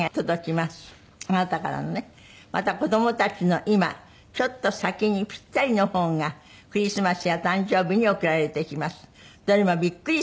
「また子どもたちの今ちょっと先にピッタリの本がクリスマスや誕生日に贈られてきます」